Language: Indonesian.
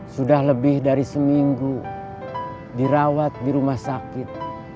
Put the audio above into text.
sudah lebih dari seminggu dirawat di rumah sakit